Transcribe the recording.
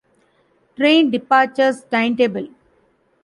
Train departures timetable.